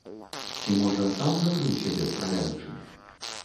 Ці, можа, сам закрыў сябе, страляючы.